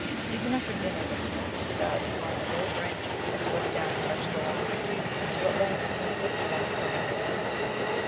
Even after dinner they smoked their cigars upon the low branches that swept down and touched the lawn, until at length she insisted on their coming in.